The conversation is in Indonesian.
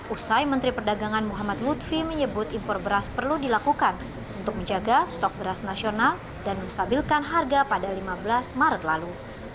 usai menteri perdagangan muhammad lutfi menyebut impor beras perlu dilakukan untuk menjaga stok beras nasional dan menstabilkan harga pada lima belas maret lalu